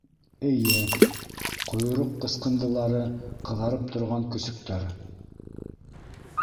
Эйе, ҡойроҡ ҡырҡындылары ҡыҙарып торған көсөктәр...